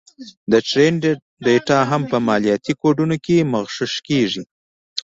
د ټرینډ ډېټا هم په مالياتي کوډونو کې مغشوش کېږي